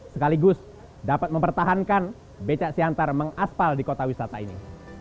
sekaligus dapat mempertahankan becak siantar mengaspal di kota wisata ini